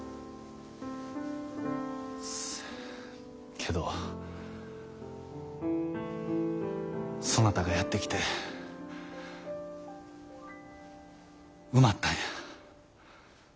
けどそなたがやって来て埋まったんや。